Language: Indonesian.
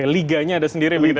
liganya ada sendiri begitu